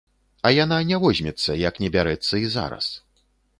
А яна не возьмецца, як не бярэцца і зараз.